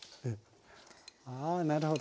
あなるほど。